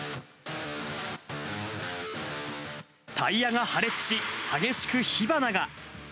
タイヤが破裂し、激しく火花が。